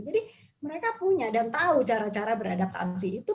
jadi mereka punya dan tahu cara cara beradaptasi itu